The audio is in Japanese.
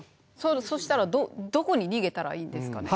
そしたらどこに逃げたらいいんですかね。